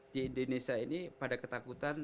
di indonesia ini pada ketakutan